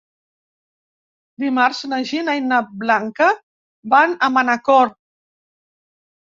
Dimarts na Gina i na Blanca van a Manacor.